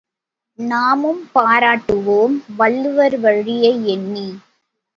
நாமும் பாராட்டுவோம் வள்ளுவர் வழியை எண்ணி!